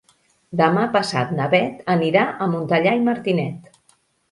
Demà passat na Beth anirà a Montellà i Martinet.